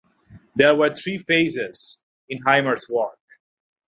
There were three phases in Hymer's work.